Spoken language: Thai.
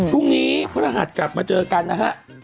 พรุ่งนี้พระรหัสกลับมาเจอกันนะฮะ